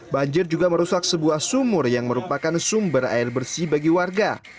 banjir juga merusak sebuah sumur yang merupakan sumber air bersih bagi warga